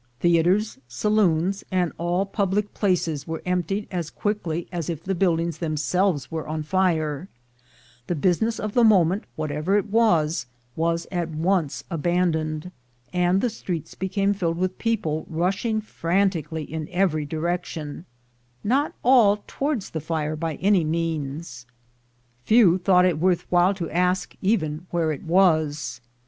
Theatres, saloons, and all public places, were emptied as quickly as if the buildings themselves were on fire; the business of the moment, whatever it was, was at once abandoned, and the streets became filled with people rushing frantically in every direction — not all towards the fire by any means; few thought it worth while to ask even where it was.